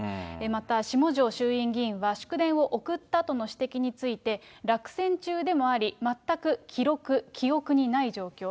また、下条衆院議員は、祝電を送ったとの指摘について、落選中でもあり、全く記録・記憶にない状況。